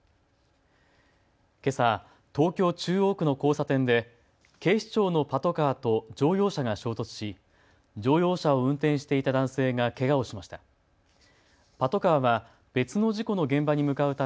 けさ、東京中央区の交差点で警視庁のパトカーと乗用車が衝突し乗用車を運転していた男性がけがをしました。